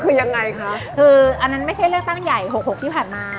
คืออันนั้นไม่ใช่เรื่องตั้งใหญ่๖๖ที่ผ่านมา